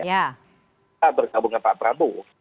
kita bergabung dengan pak prabowo